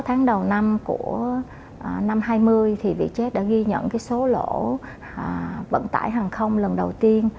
sáu tháng đầu năm của năm hai nghìn vietjet đã ghi nhận số lỗ vận tải hàng không lần đầu tiên